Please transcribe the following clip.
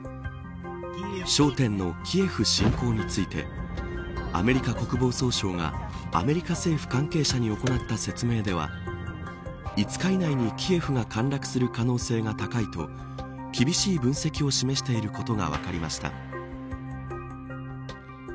焦点のキエフ侵攻についてアメリカ国防総省がアメリカ政府関係者に行った説明では５日以内にキエフが陥落する可能性が高いと厳しい分析を示していることが分かりました。